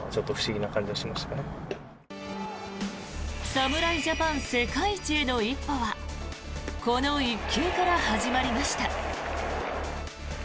侍ジャパン世界一への一歩はこの１球から始まりました。